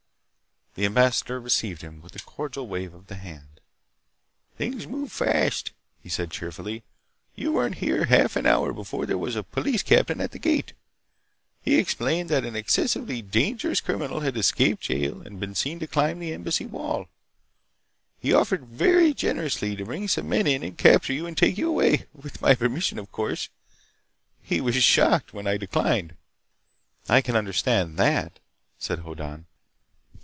The ambassador received him with a cordial wave of the hand. "Things move fast," he said cheerfully. "You weren't here half an hour before there was a police captain at the gate. He explained that an excessively dangerous criminal had escaped jail and been seen to climb the Embassy wall. He offered very generously to bring some men in and capture you and take you away—with my permission, of course. He was shocked when I declined." "I can understand that," said Hoddan.